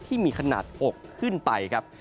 ที่มีขนาดอกขึ้นไปครับ